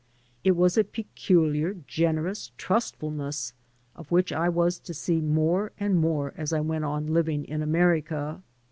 It was a peculiar generous trustful ness, of which I was to see more and miHne as I went on living in America.